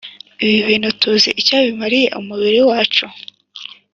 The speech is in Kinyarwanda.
ibi bintu tuzi icyo bimariye umubiri wacu.